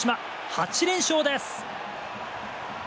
８連勝です。